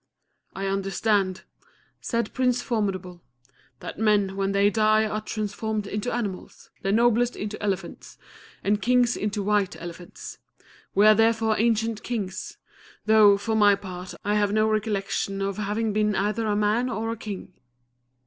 "I understand," said Prince Formidable, "that men, when they die are transformed into animals; the noblest into elephants, and Kings into White Elephants. We are therefore ancient Kings; though, for my part, I have no recollection of having been either a man or a King."